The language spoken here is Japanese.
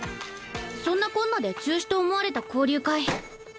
そんなこんなで中止と思われた交流会